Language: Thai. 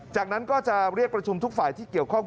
จากนั้นก็จะเรียกประชุมทุกฝ่ายที่เกี่ยวข้อง